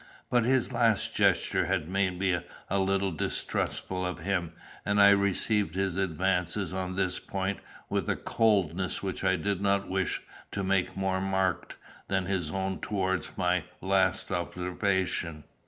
But his last gesture had made me a little distrustful of him, and I received his advances on this point with a coldness which I did not wish to make more marked than his own towards my last observation.